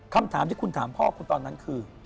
คำถามที่คุณถามพ่อคุณตอนนั้นคือ